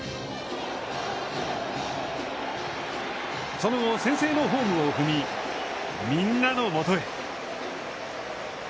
その後、先制のホームを踏みみんなのもとへ。